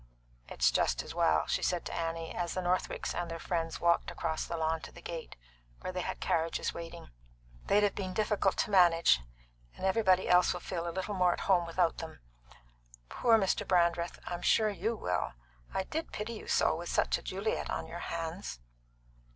"It's just as well," she said to Annie, as the Northwicks and their friends walked across the lawn to the gate, where they had carriages waiting. "They'd have been difficult to manage, and everybody else will feel a little more at home without them. Poor Mr. Brandreth, I'm sure you will! I did pity you so, with such a Juliet on your hands!"